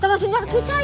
sama si mark kucai